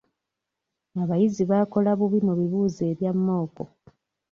Abayizi baakola bubi mu bibuuzo ebya mmooko.